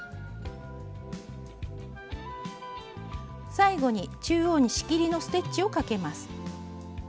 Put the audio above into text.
最後に中央に仕切りのステッチをかけます。